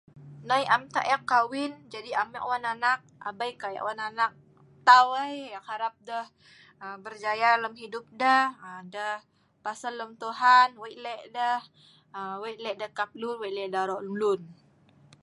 noi am tah eek kawin, jadi am eek wan anak, abei kai eek wan anak tau ai, eek harap deh aa berjaya lem hidup deh aa deh pasel lem Tuhan deh aa wei' lek deh kap lun wei lek deh aro' lun